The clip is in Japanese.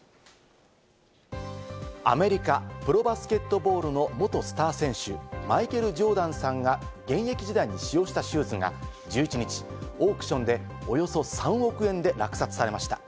アメリカ・プロバスケットボールの元スター選手、マイケル・ジョーダンさんが現役時代に使用したシューズが１１日、オークションでおよそ３億円で落札されました。